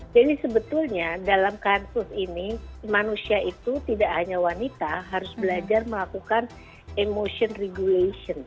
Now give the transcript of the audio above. jadi sebetulnya dalam karsus ini manusia itu tidak hanya wanita harus belajar melakukan emotion regulation